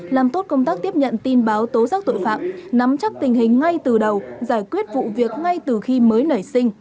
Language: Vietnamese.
làm tốt công tác tiếp nhận tin báo tố giác tội phạm nắm chắc tình hình ngay từ đầu giải quyết vụ việc ngay từ khi mới nảy sinh